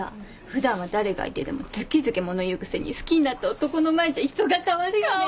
普段は誰が相手でもずけずけ物言うくせに好きになった男の前じゃ人が変わるよね。